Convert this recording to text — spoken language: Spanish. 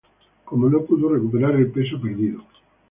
Cómo no recuperar el peso perdido